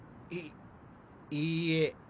いいいえ。